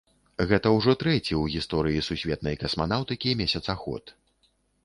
Гэта ўжо трэці ў гісторыі сусветнай касманаўтыкі месяцаход.